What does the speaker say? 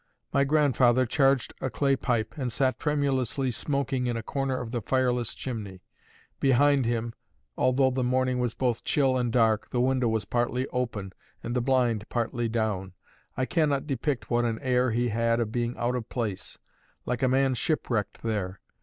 My grandfather charged a clay pipe, and sat tremulously smoking in a corner of the fireless chimney; behind him, although the morning was both chill and dark, the window was partly open and the blind partly down: I cannot depict what an air he had of being out of place, like a man shipwrecked there.